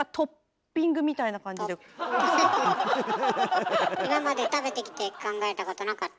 なんか今まで食べてきて考えたことなかった？